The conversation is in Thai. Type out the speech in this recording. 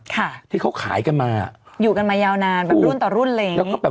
ค่ะที่เขาขายกันมาอยู่กันมายาวนานแบบรุ่นต่อรุ่นอะไรอย่างนี้